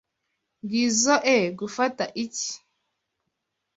Ngizoe gufata iki.